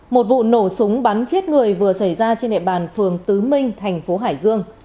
một vụ nổ súng bắn chết người vừa xảy ra trên địa bàn phường tứ minh thành phố hải dương